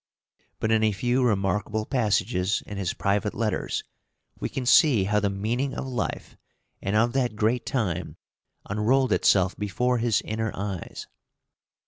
But in a few remarkable passages in his private letters, we can see how the meaning of life and of that great time unrolled itself before his inner eyes.